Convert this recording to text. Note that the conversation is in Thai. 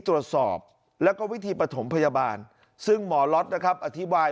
ตรวจสอบแล้วก็วิธีปฐมพยาบาลซึ่งหมอล็อตนะครับอธิบาย